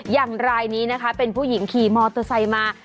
อย่างรายนี้นะคะเป็นผู้หญิงขี่มอเตอร์ไซค์มา